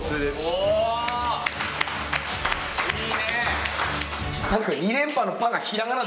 おいいね。